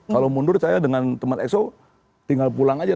kalau mundur saya dengan teman exo tinggal pulang aja